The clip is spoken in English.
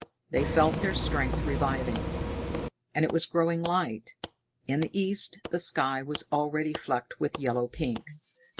They felt their strength reviving. And it was growing light. In the east the sky was already flecked with yellow pink.